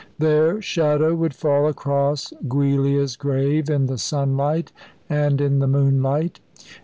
Their shadow would fall across Giulia's grave in the sunlight and in the moonlight.